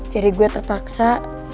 jadi gue terpaksa